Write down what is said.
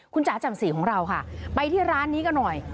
คุณจ๋าจำสีของเราค่ะไปที่ร้านนี้ก็หน่อย